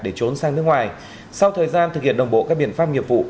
để trốn sang nước ngoài sau thời gian thực hiện đồng bộ các biện pháp nghiệp vụ